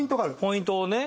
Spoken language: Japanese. ポイントをね。